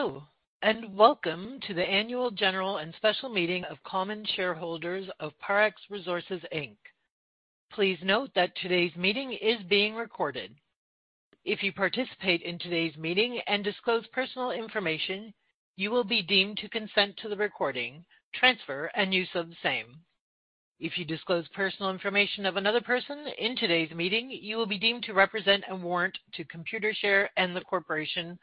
Hello, and welcome to the Annual General and Special Meeting of Common Shareholders of Parex Resources Inc. Please note that today's meeting is being recorded. If you participate in today's meeting and disclose personal information, you will be deemed to consent to the recording, transfer, and use of the same. If you disclose personal information of another person in today's meeting, you will be deemed to represent and warrant to Computershare and the corporation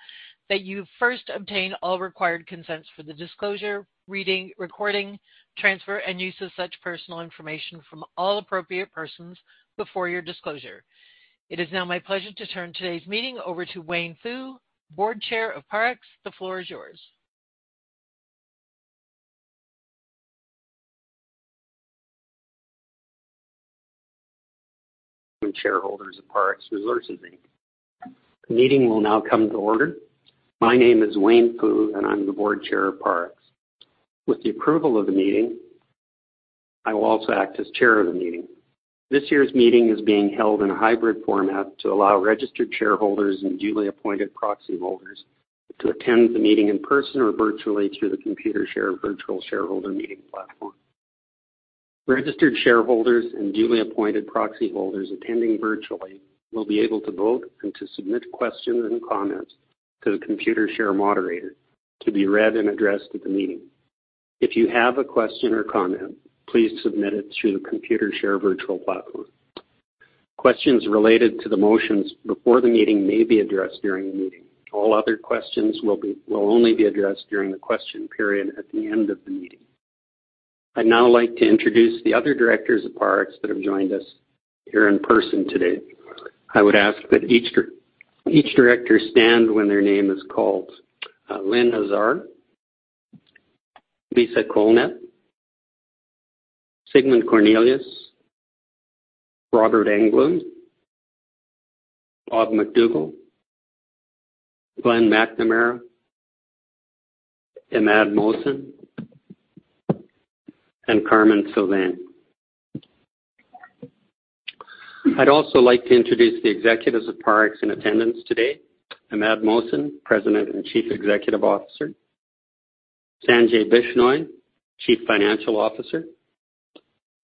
that you first obtain all required consents for the disclosure, reading, recording, transfer, and use of such personal information from all appropriate persons before your disclosure. It is now my pleasure to turn today's meeting over to Wayne Foo, Board Chair of Parex. The floor is yours. Shareholders of Parex Resources Inc. The meeting will now come to order. My name is Wayne Foo, and I'm the Board Chair of Parex. With the approval of the meeting, I will also act as Chair of the meeting. This year's meeting is being held in a hybrid format to allow registered shareholders and duly appointed proxy holders to attend the meeting in person or virtually through the Computershare virtual shareholder meeting platform. Registered shareholders and duly appointed proxy holders attending virtually will be able to vote and to submit questions and comments to the Computershare moderator to be read and addressed at the meeting. If you have a question or comment, please submit it through the Computershare virtual platform. Questions related to the motions before the meeting may be addressed during the meeting. All other questions will be, will only be addressed during the question period at the end of the meeting. I'd now like to introduce the other directors of Parex that have joined us here in person today. I would ask that each director stand when their name is called. Lynn Azar, Lisa Colnett, Sigmund Cornelius, Robert J. Engbloom, Bob MacDougall, Glenn McNamara, Imad Mohsen, and Carmen Sylvain. I'd also like to introduce the executives of Parex in attendance today. Imad Mohsen, President and Chief Executive Officer, Sanjay Bishnoi, Chief Financial Officer,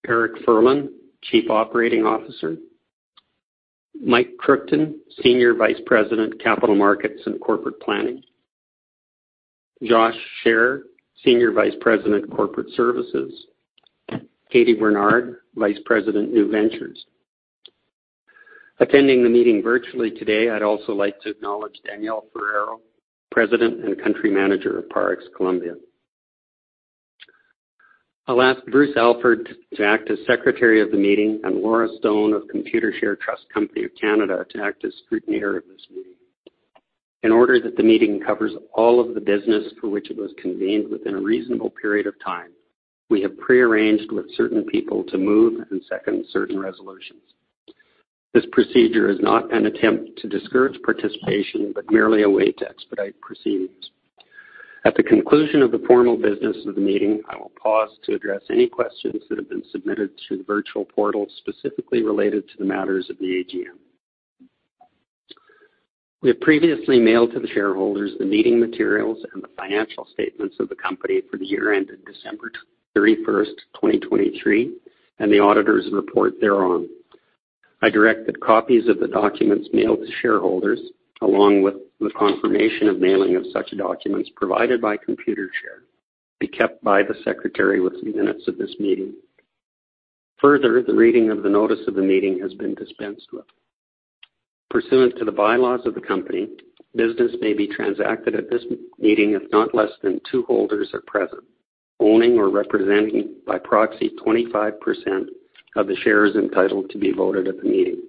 Eric Furlan, Chief Operating Officer, Mike Kruchten, Senior Vice President, Capital Markets and Corporate Planning, Josh Sherer, Senior Vice President, Corporate Services, Katie Bernard, Vice President, New Ventures. Attending the meeting virtually today, I'd also like to acknowledge Daniel Ferreiro, President and Country Manager of Parex Colombia. I'll ask Bruce Alford to act as Secretary of the meeting, and Laura Stone of Computershare Trust Company of Canada to act as Scrutineer of this meeting. In order that the meeting covers all of the business for which it was convened within a reasonable period of time, we have prearranged with certain people to move and second certain resolutions. This procedure is not an attempt to discourage participation, but merely a way to expedite proceedings. At the conclusion of the formal business of the meeting, I will pause to address any questions that have been submitted to the virtual portal, specifically related to the matters of the AGM. We have previously mailed to the shareholders the meeting materials and the financial statements of the company for the year ended December 31, 2023, and the auditors' report thereon. I direct that copies of the documents mailed to shareholders, along with the confirmation of mailing of such documents provided by Computershare, be kept by the secretary with the minutes of this meeting. Further, the reading of the notice of the meeting has been dispensed with. Pursuant to the bylaws of the company, business may be transacted at this meeting if not less than two holders are present, owning or representing by proxy, 25% of the shares entitled to be voted at the meeting.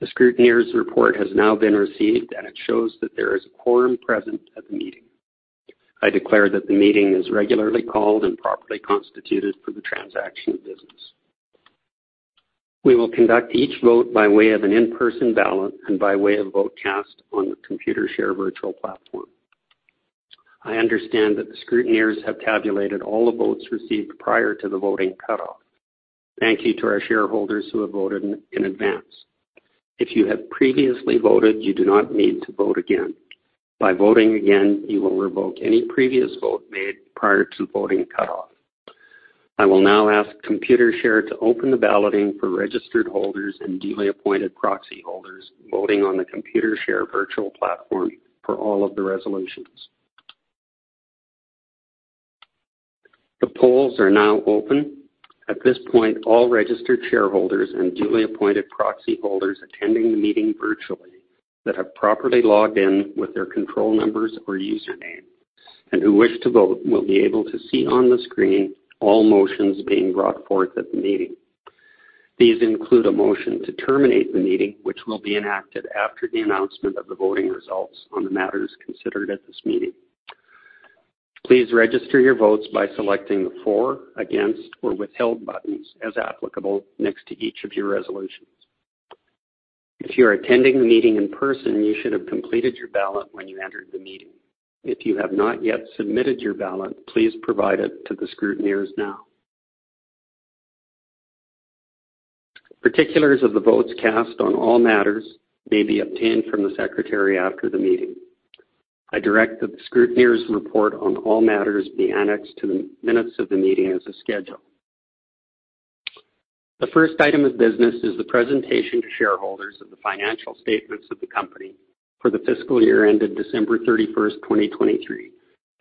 The scrutineers' report has now been received, and it shows that there is a quorum present at the meeting. I declare that the meeting is regularly called and properly constituted for the transaction of business. We will conduct each vote by way of an in-person ballot and by way of vote cast on the Computershare virtual platform. I understand that the scrutineers have tabulated all the votes received prior to the voting cutoff. Thank you to our shareholders who have voted in advance. If you have previously voted, you do not need to vote again. By voting again, you will revoke any previous vote made prior to voting cutoff. I will now ask Computershare to open the balloting for registered holders and duly appointed proxy holders voting on the Computershare virtual platform for all of the resolutions. The polls are now open. At this point, all registered shareholders and duly appointed proxy holders attending the meeting virtually, that have properly logged in with their control numbers or username and who wish to vote, will be able to see on the screen all motions being brought forth at the meeting. These include a motion to terminate the meeting, which will be enacted after the announcement of the voting results on the matters considered at this meeting. Please register your votes by selecting the for, against, or withheld buttons, as applicable, next to each of your resolutions. If you are attending the meeting in person, you should have completed your ballot when you entered the meeting. If you have not yet submitted your ballot, please provide it to the scrutineers now. Particulars of the votes cast on all matters may be obtained from the secretary after the meeting. I direct that the scrutineer's report on all matters be annexed to the minutes of the meeting as a schedule. The first item of business is the presentation to shareholders of the financial statements of the company for the fiscal year ended December 31, 2023,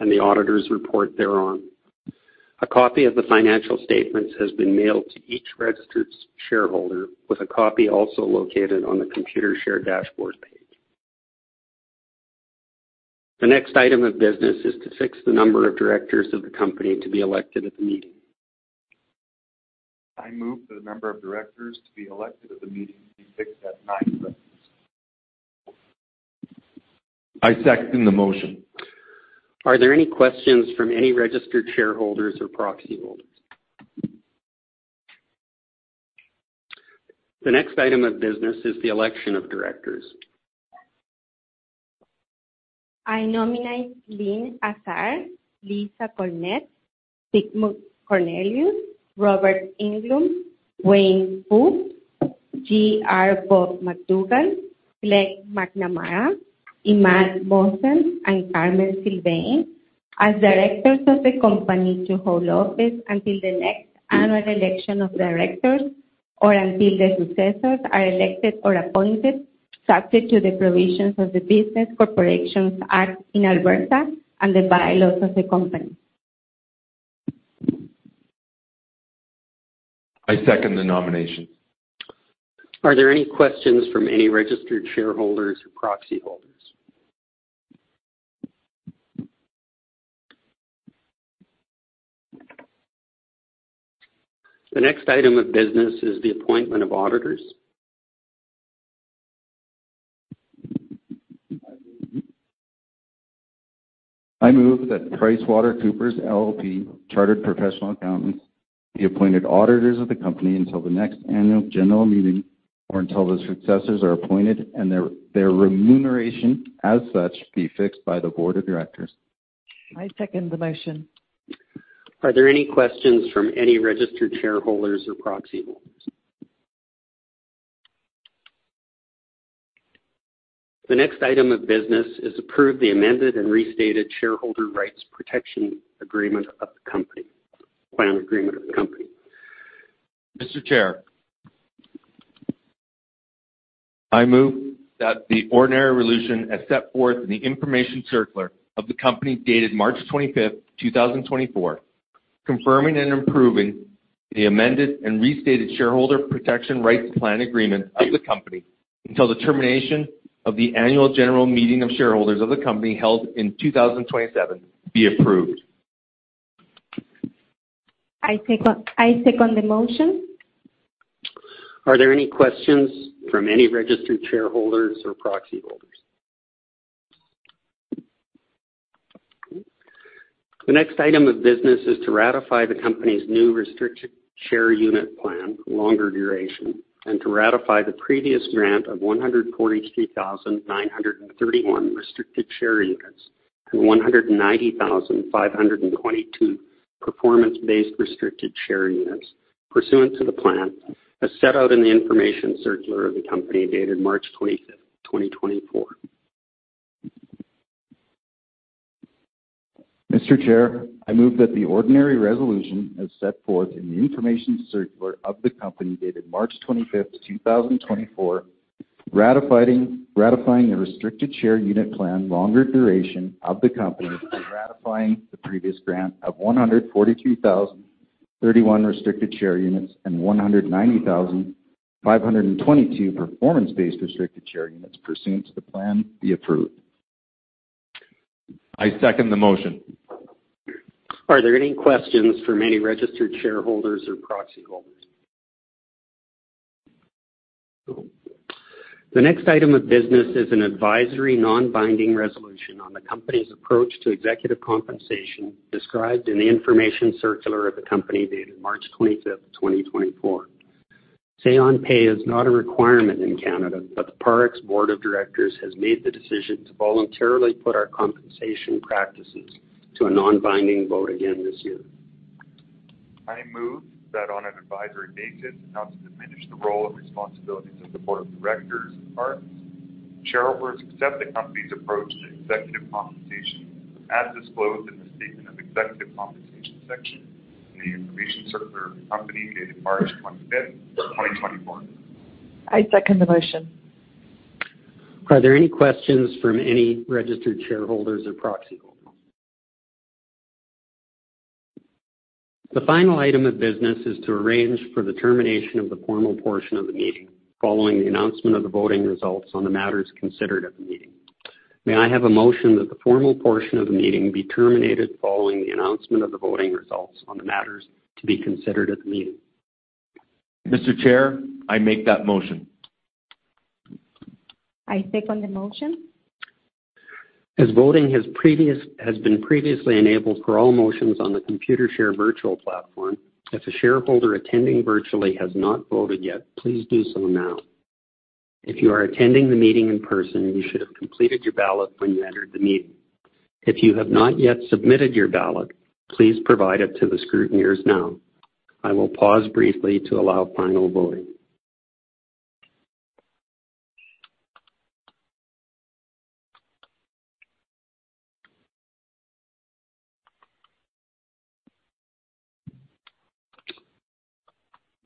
and the auditor's report thereon. A copy of the financial statements has been mailed to each registered shareholder, with a copy also located on the Computershare dashboard page. The next item of business is to fix the number of directors of the company to be elected at the meeting. I move that the number of directors to be elected at the meeting be fixed at 9 directors. I second the motion. Are there any questions from any registered shareholders or proxy holders? The next item of business is the election of directors. I nominate Lynn Azar, Lisa Colnett, Sigmund Cornelius, Robert Engbloom, Wayne Foo, G.R. (Bob) MacDougall, Glenn McNamara, Imad Mohsen, and Carmen Sylvain as directors of the company to hold office until the next annual election of directors, or until their successors are elected or appointed, subject to the provisions of the Business Corporations Act in Alberta and the bylaws of the company. I second the nomination. Are there any questions from any registered shareholders or proxy holders? The next item of business is the appointment of auditors. I move that PricewaterhouseCoopers LLP, Chartered Professional Accountants, be appointed auditors of the company until the next annual general meeting or until the successors are appointed and their remuneration as such be fixed by the board of directors. I second the motion. Are there any questions from any registered shareholders or proxy holders? The next item of business is to approve the amended and restated Shareholder Rights Protection Agreement of the company. Mr. Chair, I move that the ordinary resolution, as set forth in the information circular of the company, dated March 25, 2024, confirming and improving the amended and restated Shareholder Protection Rights Plan Agreement of the company until the termination of the annual general meeting of shareholders of the company held in 2027, be approved. I second the motion. Are there any questions from any registered shareholders or proxy holders? The next item of business is to ratify the company's new Restricted Share Unit Plan (Longer-Duration), and to ratify the previous grant of 143,931 restricted share units and 190,522 Performance-Based Restricted Share Units pursuant to the plan, as set out in the information circular of the company, dated March 25th, 2024 Mr. Chair, I move that the ordinary resolution, as set forth in the information circular of the company, dated March 25, 2024, ratifying the Restricted Share Unit Plan (Longer-Duration) of the company, and ratifying the previous grant of 142,031 restricted share units and 190,522 Performance-Based Restricted Share Units pursuant to the plan be approved. I second the motion. Are there any questions from any registered shareholders or proxy holders? The next item of business is an advisory, non-binding resolution on the company's approach to executive compensation, described in the information circular of the company, dated March 25, 2024. Say-on-pay is not a requirement in Canada, but the Parex board of directors has made the decision to voluntarily put our compensation practices to a non-binding vote again this year. I move that on an advisory basis, not to diminish the role and responsibilities of the board of directors of Parex, shareholders accept the company's approach to executive compensation, as disclosed in the statement of executive compensation section in the information circular of the company, dated March 25, 2024. I second the motion. Are there any questions from any registered shareholders or proxy holders? The final item of business is to arrange for the termination of the formal portion of the meeting, following the announcement of the voting results on the matters considered at the meeting. May I have a motion that the formal portion of the meeting be terminated following the announcement of the voting results on the matters to be considered at the meeting? Mr. Chair, I make that motion. I second the motion. As voting has been previously enabled for all motions on the Computershare virtual platform, if a shareholder attending virtually has not voted yet, please do so now. If you are attending the meeting in person, you should have completed your ballot when you entered the meeting. If you have not yet submitted your ballot, please provide it to the scrutineers now. I will pause briefly to allow final voting.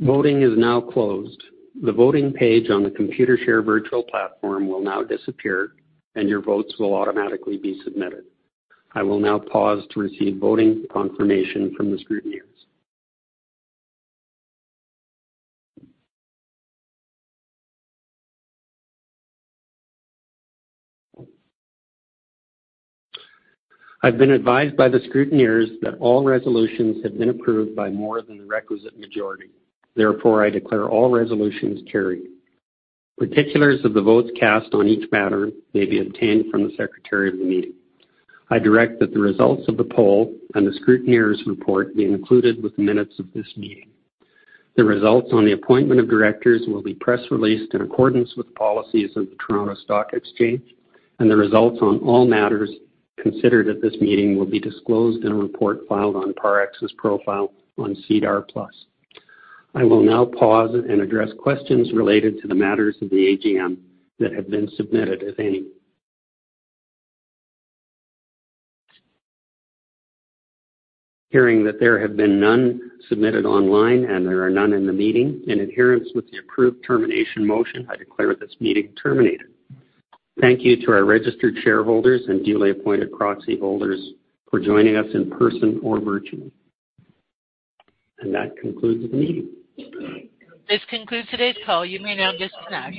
Voting is now closed. The voting page on the Computershare virtual platform will now disappear, and your votes will automatically be submitted. I will now pause to receive voting confirmation from the scrutineers. I've been advised by the scrutineers that all resolutions have been approved by more than the requisite majority. Therefore, I declare all resolutions carried. Particulars of the votes cast on each matter may be obtained from the secretary of the meeting. I direct that the results of the poll and the scrutineers report be included with the minutes of this meeting. The results on the appointment of directors will be press released in accordance with the policies of the Toronto Stock Exchange, and the results on all matters considered at this meeting will be disclosed in a report filed on Parex's profile on SEDAR+. I will now pause and address questions related to the matters of the AGM that have been submitted, if any. Hearing that there have been none submitted online and there are none in the meeting, in adherence with the approved termination motion, I declare this meeting terminated. Thank you to our registered shareholders and duly appointed proxy holders for joining us in person or virtually. That concludes the meeting. This concludes today's call. You may now disconnect.